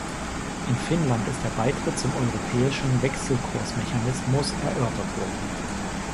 In Finnland ist der Beitritt zum europäischen Wechselkursmechanismus erörtert worden.